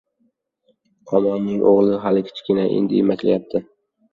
Omonning o‘g‘li hali kichkina, endi emaklayapti.